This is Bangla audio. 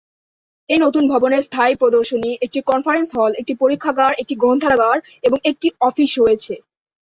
এই নতুন ভবনে স্থায়ী প্রদর্শনী, একটি কনফারেন্স হল, একটি পরীক্ষাগার, একটি গ্রন্থাগার এবং একটি অফিস রয়েছে।